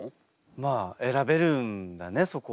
まあ選べるんだねそこは。